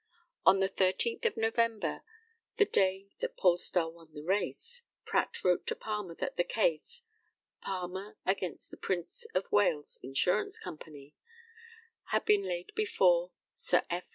On the thirteenth of November, the day that Polestar won the race, Pratt wrote to Palmer that the case ("Palmer v. the Prince of Wales Insurance Company") had been laid before Sir F.